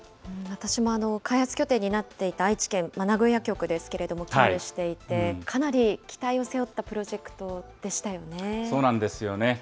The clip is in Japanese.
私も、開発拠点になっていた愛知県、名古屋局ですけれども、勤務していて、かなり期待を背負ったプロそうなんですよね。